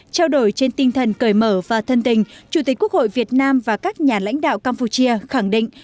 trao đổi trên tinh thần cởi mở và thân tình chủ tịch quốc hội việt nam và các nhà lãnh đạo campuchia khẳng định